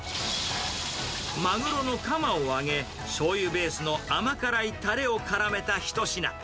マグロのカマを揚げ、しょうゆベースの甘辛いたれをからめた一品。